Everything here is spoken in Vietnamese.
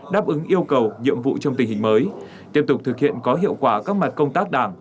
đáp ứng yêu cầu nhiệm vụ trong tình hình mới tiếp tục thực hiện có hiệu quả các mặt công tác đảng